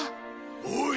おい。